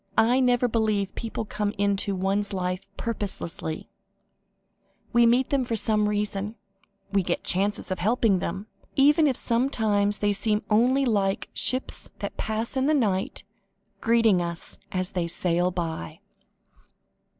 "I never believe people come into one's life purposelessly: we meet them for some reason, and we get chances of helping them even if sometimes they seem only like 'ships that pass in the night,' greeting us as they sail by."